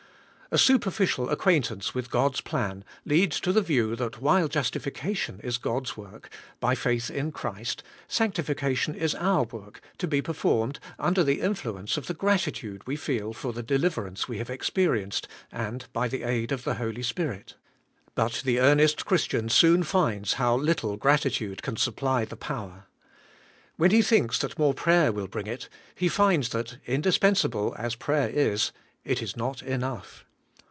A superficial acquaintance with God's plan leads to the view that while justification is God's work, by faith in Christ, sanctification is our work, to be performed under the influence of the gratitude we feel for the deliverance we have experi enced, and by the aid of the Holy Spirit. But the earnest Christian soon finds how little gratitude can supply the power. When he thinks that more prayer will bring it, he finds that, indispensable as prayer is, it is not enough.